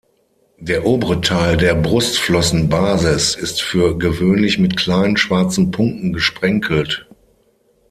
Der obere Teil der Brustflossenbasis ist für gewöhnlich mit kleinen schwarzen Punkten gesprenkelt.